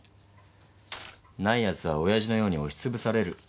ないやつはおやじのように押し潰される。